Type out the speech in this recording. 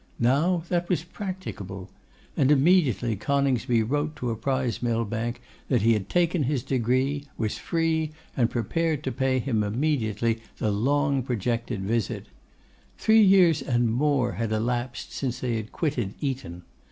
Now that was practicable. And immediately Coningsby wrote to apprise Millbank that he had taken his degree, was free, and prepared to pay him immediately the long projected visit. Three years and more had elapsed since they had quitted Eton.